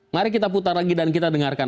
mari kita putar lagi dan kita dengarkan